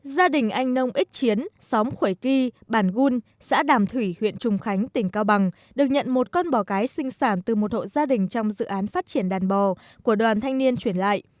gia đình anh nông ích chiến xóm khuẩy kỳ bản gun xã đàm thủy huyện trùng khánh tỉnh cao bằng được nhận một con bò cái sinh sản từ một hộ gia đình trong dự án phát triển đàn bò của đoàn thanh niên chuyển lại